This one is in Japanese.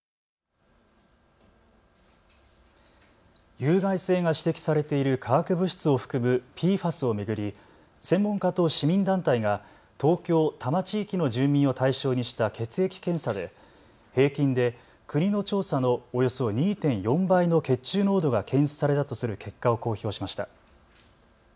有害性が指摘されている化学物質を含むＰＦＡＳを巡り専門家と市民団体が東京多摩地域の住民を対象にした血液検査で平均で国の調査のおよそ２．４倍の血中濃度が検出されたとする結果を公表しました。